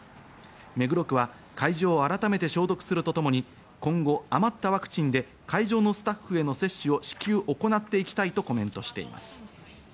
目黒区は会場を改めて消毒するとともに今後あまったワクチンで会場のスタッフへの接種を至急、行っていきたいとコメントしています。